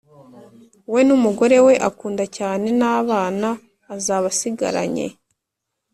we n’umugore we akunda cyane n’abana azaba asigaranye,